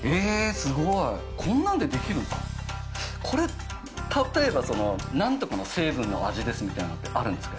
すごいこんなんでできるんだこれ例えばなんとかの成分の味ですみたいなのってあるんですか？